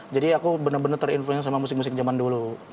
jadi aku bener bener terinfluensi sama musik musik zaman dulu